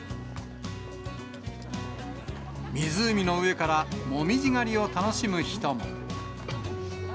湖の上から紅葉狩りを楽しむ人も。